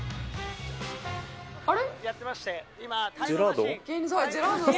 あれ？